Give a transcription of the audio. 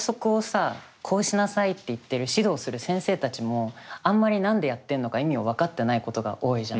こうしなさいって言ってる指導する先生たちもあんまり何でやってるのか意味を分かってないことが多いじゃない。